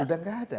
sudah tidak ada